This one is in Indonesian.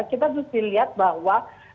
kita harus dilihat bahwa